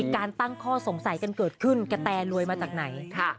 กะแทร่เลยรึไง